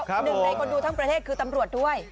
หนึ่งในคนดูทั้งประเทศคือตำรวจด้วย